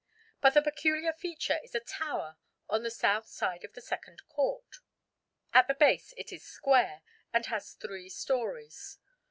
But the peculiar feature is a tower on the south side of the second court. At the base it is square, and has three storeys.